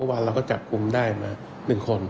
เมื่อวานเราก็จับคุมได้มา๑คน